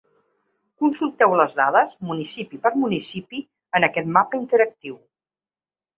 Consulteu les dades, municipi per municipi, en aquest mapa interactiu.